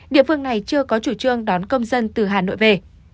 địa phương này chưa có chủ trương đón công dân từ hà nội về